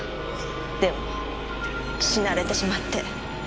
でも死なれてしまって。